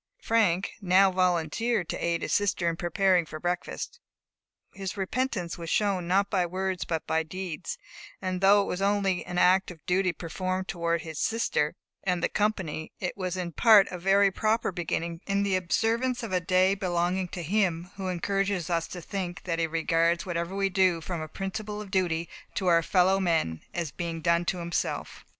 Frank now volunteered to aid his sister in preparing for breakfast; his repentance was shown not by words but by deeds; and though it was only an act of duty performed towards his sister and the company, it was in part a very proper beginning in the observance of a day belonging to Him who encourages us to think that he regards whatever we do from a principle of duty to our fellow men, as being done to himself.